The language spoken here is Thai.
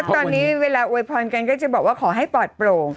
ตอนนี้เวลาอวยพรกันก็จะบอกว่าขอให้ปลอดโปร่ง